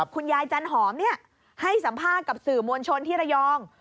คุณยายจันหอมเนี่ยให้สัมภาษณ์กับสื่อมวลชนที่ระยอง